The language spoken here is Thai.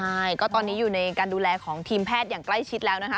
ใช่ก็ตอนนี้อยู่ในการดูแลของทีมแพทย์อย่างใกล้ชิดแล้วนะคะ